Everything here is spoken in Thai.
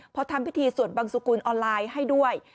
พอทำพิธีสวดบังสุกุลออนไลน์ให้ด้วย